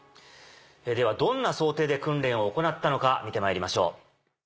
ではどんな想定で訓練を行ったのか見てまいりましょう。